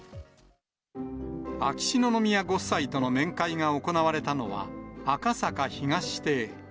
秋篠宮ご夫妻との面会が行われたのは、赤坂東邸。